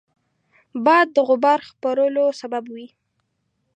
باد د غبار خپرولو سبب وي